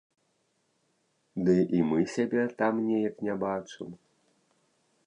Ды і мы сябе там неяк не бачым.